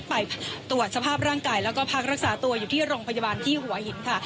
ไปตรวจสภาพร่างกายแล้วก็พักรักษาตัวอยู่ที่โรงพยาบาลที่หัวหินค่ะ